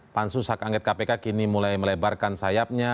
pansus hak angket kpk kini mulai melebarkan sayapnya